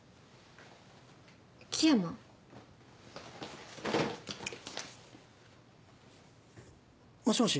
樹山？もしもし？